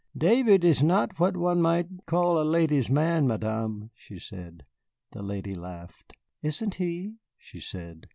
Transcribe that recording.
"David is not what one might call a ladies' man, Madame," she said. The lady laughed. "Isn't he?" she said.